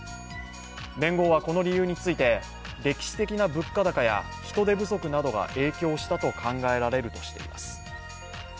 連合はこの理由について歴史的な物価高や人手不足などが影響したと考えられるとしています。